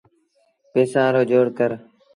پئيٚسآݩ رو جوڙ ڪر۔